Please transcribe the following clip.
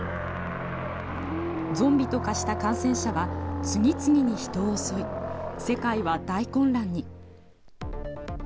ゾンビと化した感染者は、次々に人を襲い、世界は大混乱に。